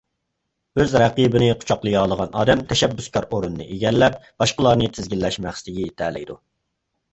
ئۆز رەقىبىنى قۇچاقلىيالىغان ئادەم تەشەببۇسكار ئورۇننى ئىگىلەپ باشقىلارنى تىزگىنلەش مەقسىتىگە يېتەلەيدۇ.